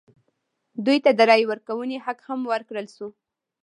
دوی ته د رایې ورکونې حق هم ورکړل شو.